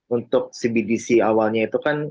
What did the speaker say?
untuk cbdc awalnya itu kan